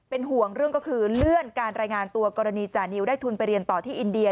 ห่วงเรื่องก็คือเลื่อนการรายงานตัวกรณีจานิวได้ทุนไปเรียนต่อที่อินเดีย